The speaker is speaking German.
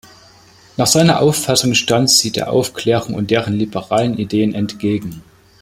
Nach seiner Auffassung stand sie der Aufklärung und deren liberalen Ideen entgegen.